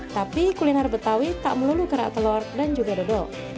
tapi kuliner betawi tak melulu kerak telur dan juga dodol